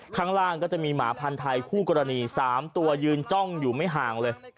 ข้างล่างก็จะมีหมาพันธ์ไทยคู่กรณี๓ตัวยืนจ้องอยู่ไม่ห่างเลย